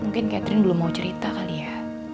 mungkin catherine belum mau cerita kali ya